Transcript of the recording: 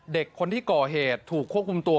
เด็กคนที่ก่อเหตุถูกควบคุมตัว